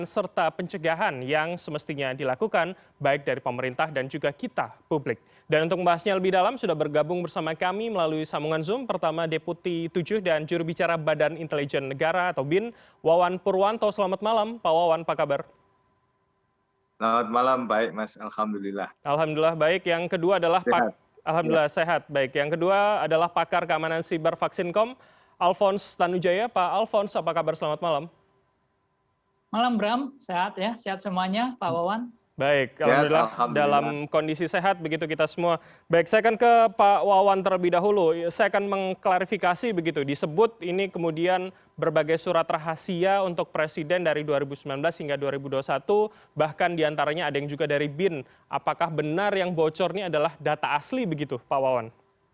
saya akan mengklarifikasi begitu disebut ini kemudian berbagai surat rahasia untuk presiden dari dua ribu sembilan belas hingga dua ribu dua puluh satu bahkan diantaranya ada yang juga dari bin apakah benar yang bocor ini adalah data asli begitu pak wawan